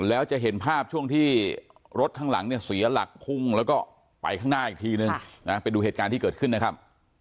แล้วจะเห็นภาพช่วงที่รถข้างหลังเนี่ยเสียหลักพุ่งแล้วก็ไปข้างหน้าอีกทีนึงนะไปดูเหตุการณ์ที่เกิดขึ้นนะครับ